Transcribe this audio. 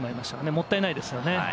もったいないですよね。